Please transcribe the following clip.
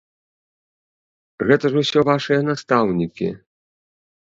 Гэта ж усё вашыя настаўнікі!